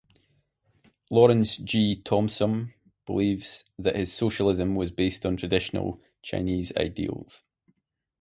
Lawrence G. Thompsom believes that his socialism was based on traditional Chinese ideals.